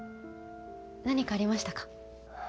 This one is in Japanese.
何かありましたか？